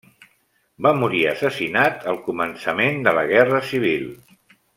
Va morir assassinat al començament de la Guerra Civil.